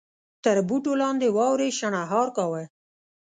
تر بوټو لاندې واورې شڼهار کاوه.